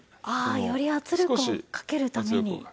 ああより圧力をかけるために。